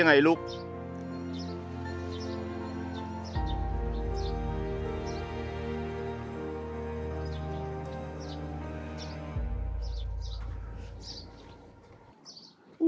ออกไปเลย